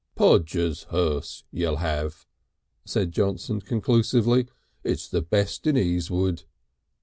"Podger's hearse you'll have," said Johnson conclusively. "It's the best in Easewood."